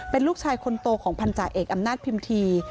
เป็นลูกชายคนโตของพันธาเอกอำนาจพิมพี